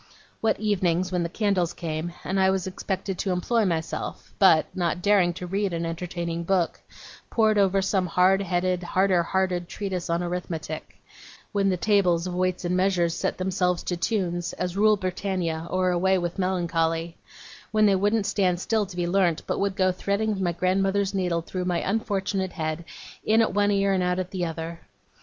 What evenings, when the candles came, and I was expected to employ myself, but, not daring to read an entertaining book, pored over some hard headed, harder hearted treatise on arithmetic; when the tables of weights and measures set themselves to tunes, as 'Rule Britannia', or 'Away with Melancholy'; when they wouldn't stand still to be learnt, but would go threading my grandmother's needle through my unfortunate head, in at one ear and out at the other!